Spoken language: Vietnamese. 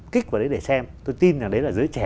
kích vào đấy để xem tôi tin rằng đấy là giới trẻ